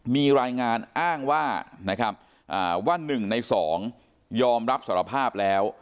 มีรายงานอ้างว่านะครับว่า๑ใน๒ยอมรับสารภาพแล้ว